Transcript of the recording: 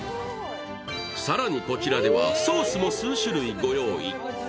更に、こちらではソースも数種類ご用意。